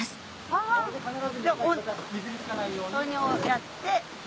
やって。